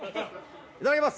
いただきます。